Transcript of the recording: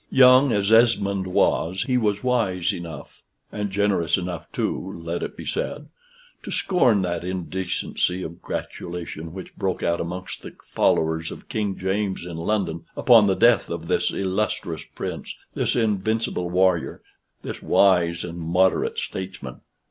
Young as Esmond was, he was wise enough (and generous enough too, let it be said) to scorn that indecency of gratulation which broke out amongst the followers of King James in London, upon the death of this illustrious prince, this invincible warrior, this wise and moderate statesman.